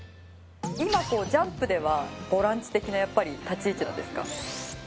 今ＪＵＭＰではボランチ的なやっぱり立ち位置なんですか？